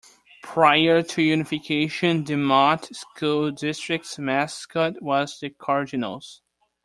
Prior to unification the Mott School District's mascot was the Cardinals.